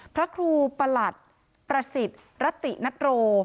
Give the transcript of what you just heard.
พระครูประหลัดประสิทธิ์รตินัตโร